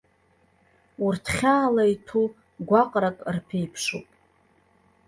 Урҭ хьаала иҭәу гәаҟрак рԥеиԥшуп.